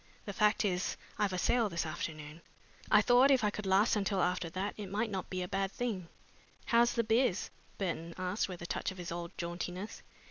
The fact is I've a sale this afternoon. I thought if I could last until after that it might not be a bad thing." "How's the biz?" Burton asked with a touch of his old jauntiness.